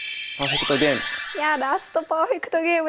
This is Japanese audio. ラストパーフェクトゲームです。